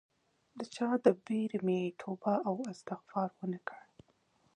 د چا د بیرې مې توبه او استغفار ونه کړ